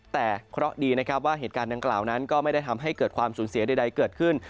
แต่เคราะห์ดีนะครับว่าเหตุการณ์ดังกล่าวนั้นก็ไม่ได้ทำให้เกิดความสูญเสียใดเกิดขึ้น